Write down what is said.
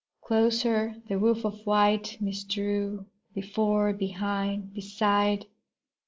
Closer the woof of white mist drew, Before, behind, beside.